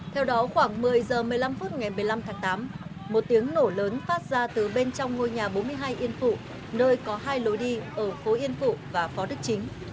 theo đó khoảng một mươi h một mươi năm phút ngày một mươi năm tháng tám một tiếng nổ lớn phát ra từ bên trong ngôi nhà bốn mươi hai yên phụ nơi có hai lối đi ở phố yên phụ và phó đức chính